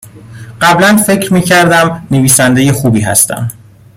قبلا فکر میکردم نویسنده خوبی هستم